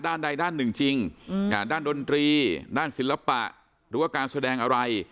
ด้านหนึ่งจริงอืมอ่าด้านดนตรีด้านศิลปะหรือว่าการแสดงอะไร